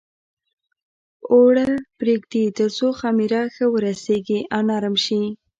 اوړه پرېږدي تر څو خمېره ښه ورسېږي او نرم شي.